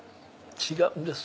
違うんです